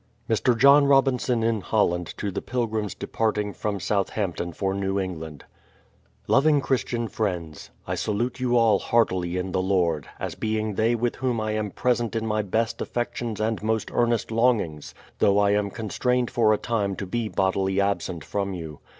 54 BRADFORD'S HISTORY OF Mr. John Robinson in Holland to the Pilgrims departing from Southampton for New EnglaHd: Loving Christian Friends, I salute you all heartily in the Lord, as being they with whom I am present in my best affections and most earnest longings, though I am constrained for a time to be bodily absent from you.